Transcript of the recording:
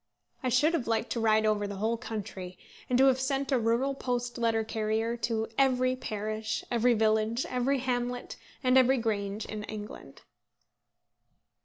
I should have liked to ride over the whole country, and to have sent a rural post letter carrier to every parish, every village, every hamlet, and every grange in England.